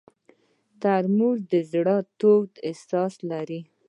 ترموز د زړه تود احساس لري.